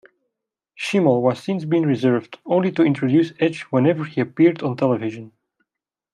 Chimel has since been reserved, only to introduce Edge whenever he appeared on television.